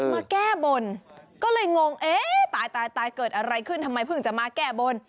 มาแก้บนก็เลยงงเอ๊ะตายตายเกิดอะไรขึ้นทำไมเพิ่งจะมาแก้บน